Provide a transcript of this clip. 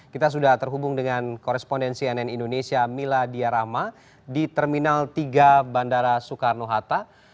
kita sudah terhubung dengan korespondensi nn indonesia mila diarahma di terminal tiga bandara soekarno hatta